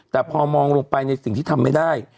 แต่พอมองลงไปในสิ่งที่ทำไม่ได้